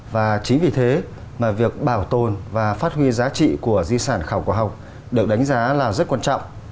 và chính vì thế mà việc bảo tồn và phát huy giá trị của di sản khảo cổ học được đánh giá là rất quan trọng